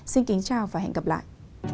xin kính chào và hẹn gặp lại